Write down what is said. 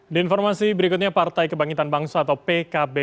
di informasi berikutnya partai kebangkitan bangsa atau pkb